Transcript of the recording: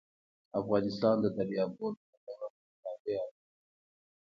افغانستان د دریابونه له پلوه متنوع دی.